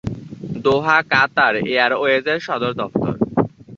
দোহা Qatar এয়ারওয়েজের সদর দফতর।